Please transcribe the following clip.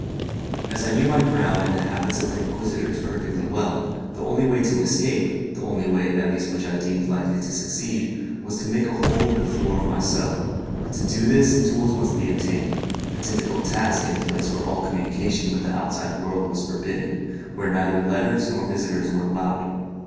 As I knew my ground and the habits of the Inquisitors perfectly well, the only way to escape the only way at least which I deemed likely to succeed was to make a hole in the floor of my cell; but to do this tools must be obtained a difficult task in a place where all communication with the outside world was forbidden, where neither letters nor visits were allowed.